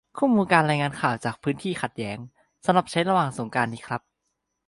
คู่มือการรายงานข่าวจากพื้นที่ขัดแย้ง - สำหรับใช้ระหว่างสงกรานต์นี้ครับ